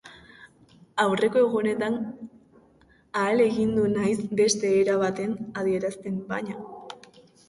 Aurreko egunetan ahalegindu naiz beste era batean adierazten, baina...